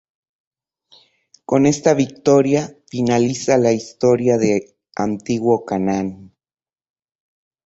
Con esta victoria finaliza la historia de antiguo Canaán.